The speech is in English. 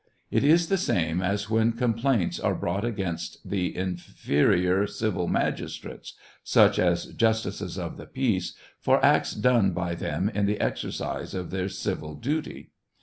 It is the same as when complaints are brought against inferior civil magistrates, such as justices of the peace, for acts done by them in the exercise of their civil duty.